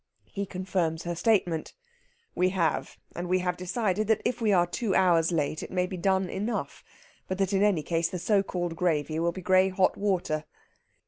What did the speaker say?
He confirms her statement. "We have. And we have decided that if we are two hours late it may be done enough. But that in any case the so called gravy will be grey hot water."